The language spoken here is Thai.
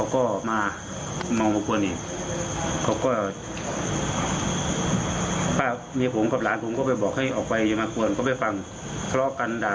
แล้วไปแต่ช่วงช่วงวันนี้อ่ะที่เกิดเหตุเขาก็้ออกมา